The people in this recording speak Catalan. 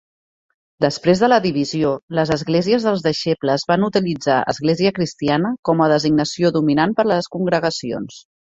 Després de la divisió, les esglésies dels deixebles van utilitzar "Església cristiana" com a designació dominant per a les congregacions.